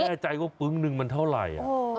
แน่ใจว่าปึ๊งนึงมันเท่าไหร่